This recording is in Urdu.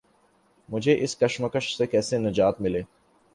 مجھے اس کشمکش سے کیسے نجات ملے؟